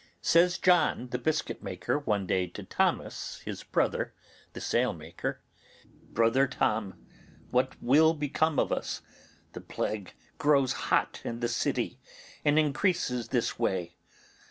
Says John the biscuit maker one day to Thomas his brother, the sailmaker, 'Brother Tom, what will become of us? The plague grows hot in the city, and increases this way.